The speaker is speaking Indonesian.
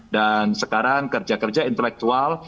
dan sekarang kerja kerja intelektual